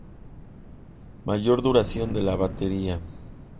Mayor duración de la batería.